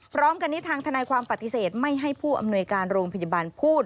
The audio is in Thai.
พร้อมกันนี้ทางทนายความปฏิเสธไม่ให้ผู้อำนวยการโรงพยาบาลพูด